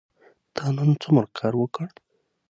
تا نن څومره کار وکړ ؟